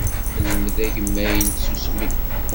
Lmed agemmay n tsusmi.